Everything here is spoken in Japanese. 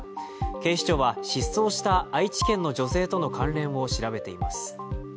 警視庁は失踪した愛知県の女性との関連を調べています。